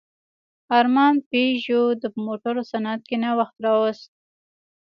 ارمان پيژو د موټرو صنعت کې نوښت راوست.